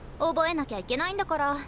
覚えなきゃいけないんだから。